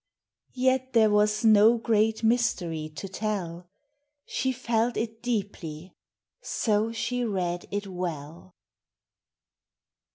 Yet there was no great mystery to tell : She felt it deeply, so she read it well.